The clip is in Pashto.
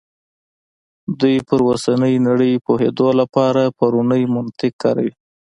دوی پر اوسنۍ نړۍ پوهېدو لپاره پرونی منطق کاروي.